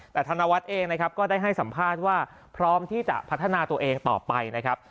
แต่ธนวัฒน์เองนะครับก็ได้ให้สัมภาษณ์ว่าพร้อมที่จะพัฒนาตัวเองต่อไปนะครับ